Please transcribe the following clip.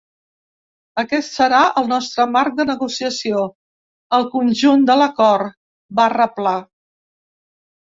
Aquest serà el nostre marc de negociació, el conjunt de l’acord, va reblar.